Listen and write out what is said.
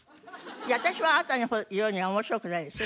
いや私はあなたのようには面白くないですよ